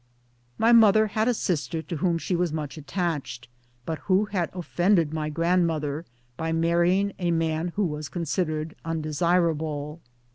My mother had a sister to whom she was much attached, but who had' offended 1 my grandmother by marrying a man who was considered undesirable.